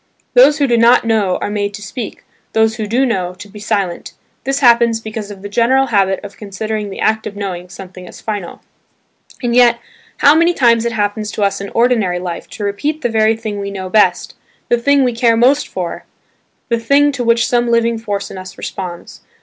Those who do not know are made to speak, those who do know to be silent. This happens because of the general habit of considering the act of knowing something as final. And yet how many times it happens to us in ordinary life to repeat the very thing we know best, the thing we care most for, the thing to which some living force in us responds.